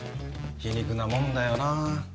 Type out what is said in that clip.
皮肉なもんだよな